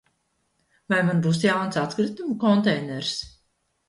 Vai man būs jauns atkritumu konteiners?